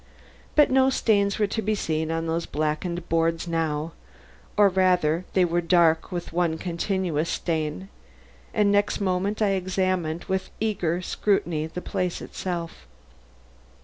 But no stains were to be seen on those blackened boards now; or rather, they were dark with one continuous stain; and next moment I was examining with eager scrutiny the place itself.